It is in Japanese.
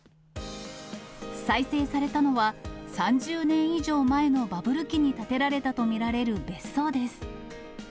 再生されたのは、３０年以上前のバブル期に建てられたと見られる別荘です。